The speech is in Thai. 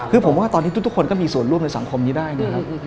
คือผมว่าตอนนี้ทุกคนก็มีส่วนร่วมในสังคมนี้ได้นะครับ